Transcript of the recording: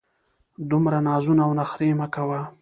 دومره نازونه او نخرې مه کوه!